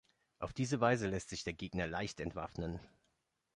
Auf diese Weise lässt sich der Gegner leicht entwaffnen.